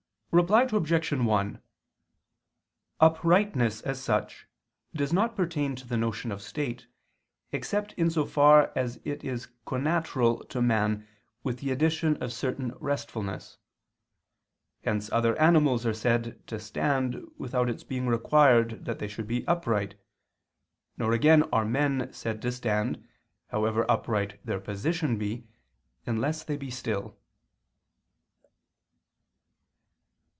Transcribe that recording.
Reply Obj. 1: Uprightness as such does not pertain to the notion of state, except in so far as it is connatural to man with the addition of a certain restfulness. Hence other animals are said to stand without its being required that they should be upright; nor again are men said to stand, however upright their position be, unless they be still.